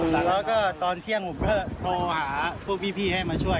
แล้วก็ตอนเที่ยงผมก็โทรหาพวกพี่ให้มาช่วย